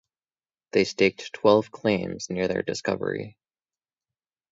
They staked twelve claims near their discovery.